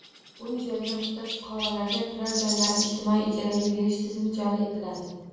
Uy-joyga muhtoj fuqarolarga turar joylarni ijtimoiy ijaraga berish tizimi joriy etiladi.